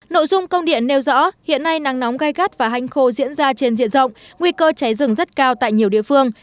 nội dung công điện nêu rõ hiện nay nắng nóng gai gắt và hanh khô diễn ra trên diện rộng nguy cơ cháy rừng rất cao tại nhiều địa phương